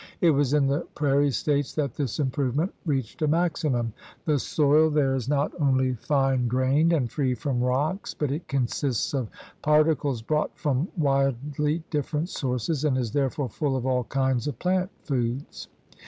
It was in the prairie States that this improvement reached a maximum. The soil there is not only fine grained and free from rocks, but it consists of particles brought from widely different sources and is therefore full of all kinds of plant foods.